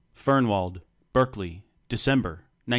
Fernwald, Berkeley, December, 1918.